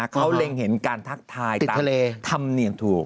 เขาเล็งเห็นการทักทายตามธรรมเนียมถูก